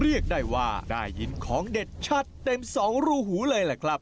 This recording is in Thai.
เรียกได้ว่าได้ยินของเด็ดชัดเต็มสองรูหูเลยล่ะครับ